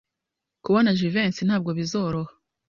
Kubona Jivency ntabwo bizoroha.